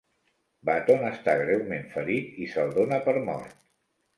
Button està greument ferit i se'l dona per mort.